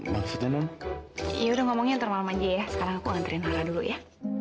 maksudnya namun ya udah ngomongin termal manji ya sekarang aku nganterin arah dulu ya